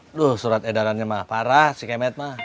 aduh surat edarannya malah parah si kemet mah